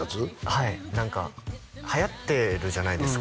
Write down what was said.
はい何かはやってるじゃないですか